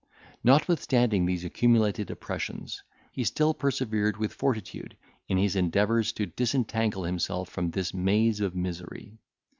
Notwithstanding these accumulated oppressions, he still persevered with fortitude in his endeavours to disentangle himself from this maze of misery.